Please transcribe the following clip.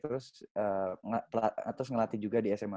terus ngelatih juga di sma